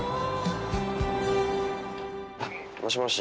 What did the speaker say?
もしもし。